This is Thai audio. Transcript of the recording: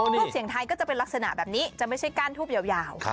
ทูปเสียงไทยก็จะเป็นลักษณะแบบนี้จะไม่ใช่ก้านทูบยาว